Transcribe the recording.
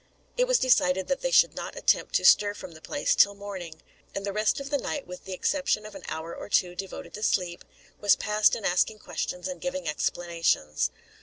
It was decided that they should not attempt to stir from the place until morning; and the rest of the night, with the exception of an hour or two devoted to sleep, was passed in asking questions and giving explanations.